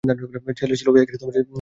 ছেলে ছিল ও?